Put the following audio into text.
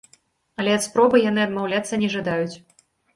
Але ад спробы яны адмаўляцца не жадаюць.